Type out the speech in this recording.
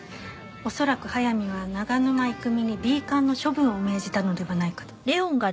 恐らく速水は長沼郁美にＢ勘の処分を命じたのではないかと。